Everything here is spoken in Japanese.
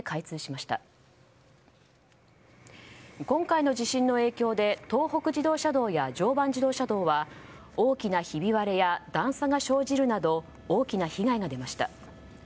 今回の地震の影響で東北自動車道や常磐自動車道は大きなひび割れや段差が生じるなど大きな被害が出ました。